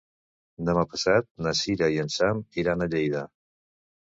Demà passat na Sira i en Sam iran a Lleida.